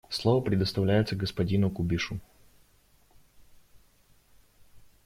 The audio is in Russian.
Слово предоставляется господину Кубишу.